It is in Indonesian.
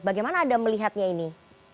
bagaimana anda melihatnya ini